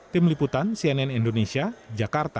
tim liputan cnn indonesia jakarta